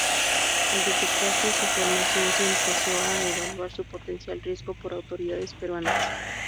Al detectarse su formación se empezó a evaluar su potencial riesgo por autoridades peruanas.